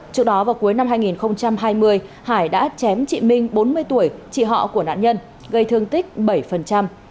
trước đó vào cuối năm hai nghìn hai mươi hải đã chém chị minh bốn mươi tuổi chị họ của nạn nhân gây thương tích bảy